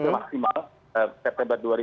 maksimal september dua ribu dua puluh